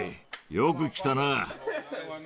よく来たな。